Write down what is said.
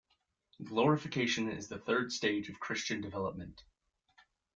Glorification is the third stage of Christian development.